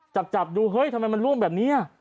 จับดูทำไมมันร่วงแบบนี้